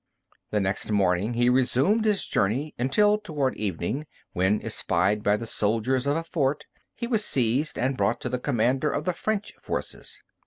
The next morning he resumed his journey until toward evening, when, espied by the soldiers of a fort, he was seized and brought to the commander of the French forces.